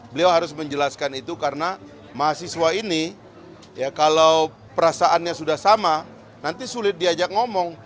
beliau harus menjelaskan itu karena mahasiswa ini ya kalau perasaannya sudah sama nanti sulit diajak ngomong